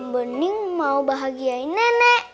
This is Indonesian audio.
bending mau bahagiain nenek